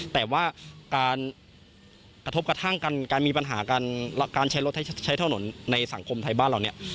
แต่ว่าการกระทบกระทั่งกันการมีปัญหาการใช้รถใช้ถนนในสังคมไทยบ้านเราเนี่ย